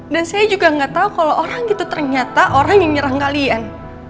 dan saya juga nggak tahu kalau orang itu ternyata orang yang nyerang kalian